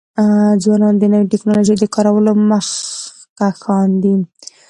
ځوانان د نوې ټکنالوژۍ د کارولو مخکښان دي.